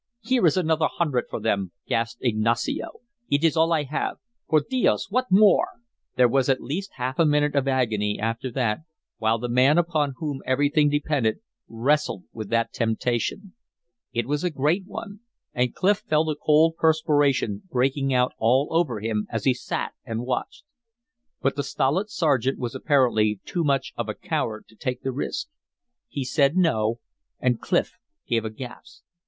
"Here is another hundred for them!" gasped Ignacio. "It is all I have. Por dios, what more?" There was at least half a minute of agony after that while the man upon whom everything depended wrestled with that temptation. It was a great one, and Clif felt a cold perspiration breaking out all over him as he sat and watched. But the stolid sergeant was apparently too much of a coward to take the risk. He said no, and Clif gave a gasp.